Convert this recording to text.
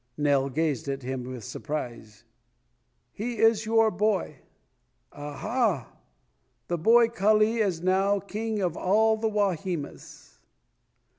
Nell gazed at him with surprise. "He is your boy." "Aha! A boy! Kali is now king of all the Wahimas."